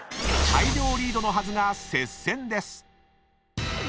［大量リードのはずが接戦です］